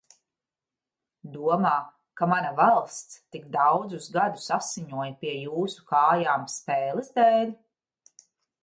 Domā, ka mana valsts tik daudzus gadus asiņoja pie jūsu kājām spēles dēļ?